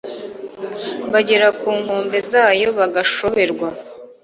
bagera ku nkombe zayo, bagashoberwa